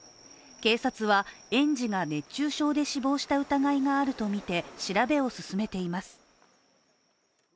警察は、園児が熱中症で死亡した疑いがあるとみて調べを進めています。